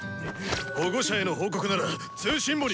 保護者への報告なら通信簿に！